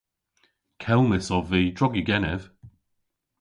Kelmys ov vy, drog yw genev.